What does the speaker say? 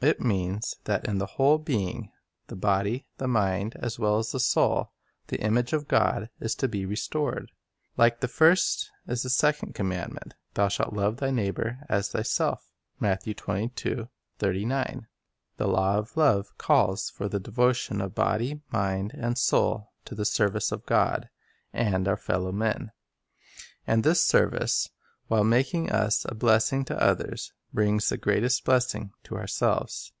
It means that in the whole being — the body, the mind, as well as the soul — the image of God is to be restored. Like the first is the second commandment, — "Thou shalt love thy neighbor as thyself."" The law of love calls for the devotion of body, mind, and soul to the service of God and our fellow men. And this service, while making us a blessing to others, brings the greatest blessing to ourselves.